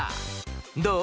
どう？